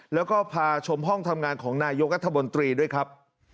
แล้วก็พาชมห้องทำงานของนายกรัฐมนตรีด้วยครับ